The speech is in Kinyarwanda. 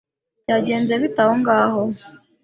Byagenze bite aho ngaho?